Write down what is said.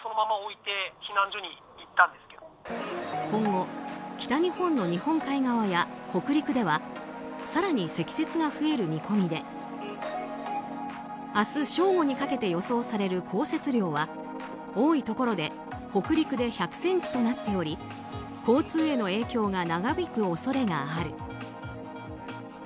今後北日本の日本海側や北陸では更に積雪が増える見込みで明日正午にかけて予想される降雪量は多いところで北陸で１００ｃｍとなっており交通への影響が長引く恐れがある。